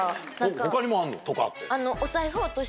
他にもあんの？とかって。